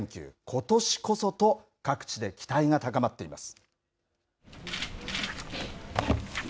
ことしこそと各地で期待が高まっています。